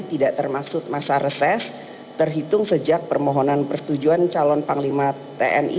tidak termaksud masa reses terhitung sejak permohonan persetujuan calon panglima tni